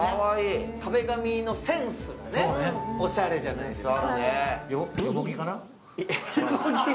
壁紙のセンスがおしゃれじゃないですか。